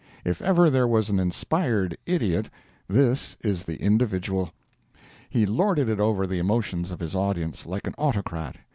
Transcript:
If ever there was an inspired idiot this is the individual. He lorded it over the emotions of his audience like an autocrat.